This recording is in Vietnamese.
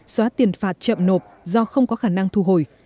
xóa tiền phạt chậm nộp do không có khả năng thu hồi